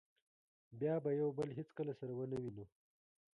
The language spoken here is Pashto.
بیا به یو بل هېڅکله سره و نه وینو.